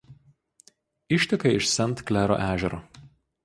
Išteka iš Sent Klero ežero.